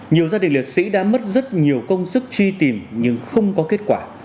nhiều gia đình liệt sĩ đã mất rất nhiều công sức truy tìm nhưng không có kết quả